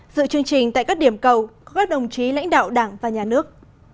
dựa chương trình tại các điểm cầu có các đồng chí lãnh đạo đảng và nhà nước